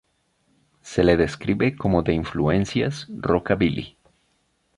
Se le describe como de influencias rockabilly.